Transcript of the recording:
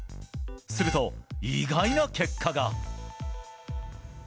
すると、意外な結果が。